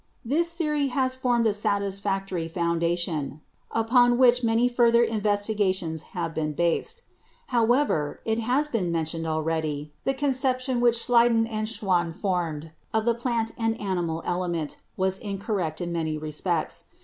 This theory has formed a satisfactory foun 64 BIOLOGY dation upon which many further investigations have been based. However, as has been mentioned already, the conception which Schleiden and Schwann formed of the plant and animal element was incorrect in many respects.